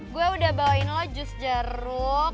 gue udah bawain loh jus jeruk